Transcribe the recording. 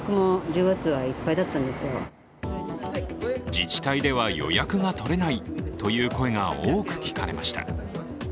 自治体では予約が取れないという声が多く聞かれました。